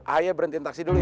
ayo berhentiin taksi dulu